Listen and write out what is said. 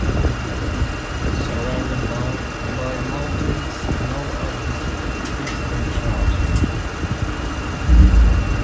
Surrounded by mountains known as the city of peace and charm.